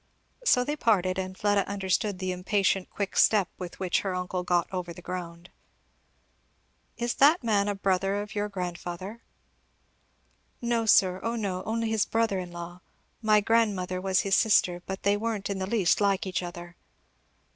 So they parted; and Fleda understood the impatient quick step with which her uncle got over the ground. "Is that man a brother of your grandfather?" "No sir Oh no! only his brother in law. My grandmother was his sister, but they weren't in the least like each other."